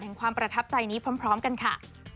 ความประทับใจนี้พร้อมกันค่ะ